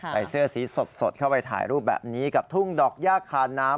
ใส่เสื้อสีสดเข้าไปถ่ายรูปแบบนี้กับทุ่งดอกย่าคานน้ำ